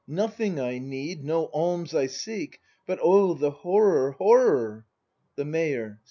Nothing I need; no alms I seek. But oh, the horror, horror The Mayor.